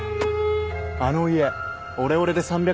あの家オレオレで３００万